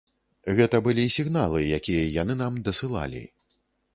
Гэта былі сігналы, якія яны нам дасылалі.